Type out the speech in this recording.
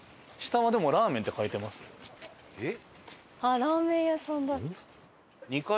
えっ？